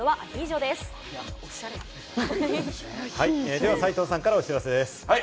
では斉藤さんからお知らせです。